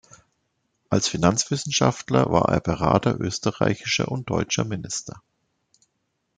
Als Finanzwissenschaftler war er Berater österreichischer und deutscher Minister.